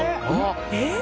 えっ？